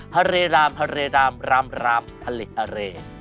ฮะเรรามฮะเรรามรามรามฮะเรฮะเร